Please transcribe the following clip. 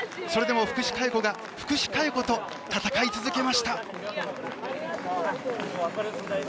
それでも福士加代子が福士加代子と闘い続けました。